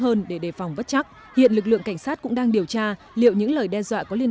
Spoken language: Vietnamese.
hơn để đề phòng bất chắc hiện lực lượng cảnh sát cũng đang điều tra liệu những lời đe dọa có liên